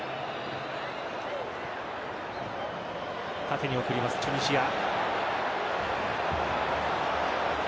縦に送ります、チュニジア。